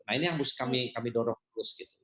nah ini yang harus kami dorong terus gitu